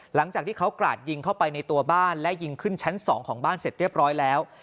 หลังจากที่เขากราดยิงเข้าไปในตัวบ้านและยิงขึ้นชั้น๒ของบ้านเสร็จเรียบร้อยแล้ว